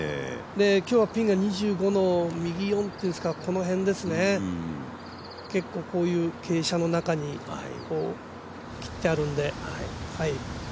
今日はピンが２５の右４ですから、この辺ですね、結構こういう傾斜の中に切ってあるんで。